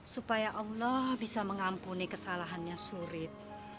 supaya allah bisa mengampuni kesalahannya sulit